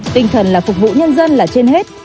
tinh thần là phục vụ nhân dân là trên hết